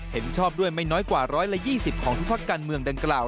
เห็นชอบด้วยไม่น้อยกว่า๑๒๐ของทุกภาคการเมืองดังกล่าว